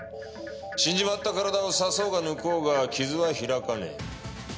死んじまった体を刺そうが抜こうが傷は開かねえ。